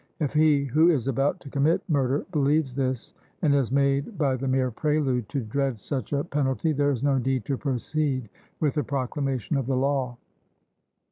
If he who is about to commit murder believes this, and is made by the mere prelude to dread such a penalty, there is no need to proceed with the proclamation of the law.